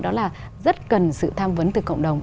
đó là rất cần sự tham vấn từ cộng đồng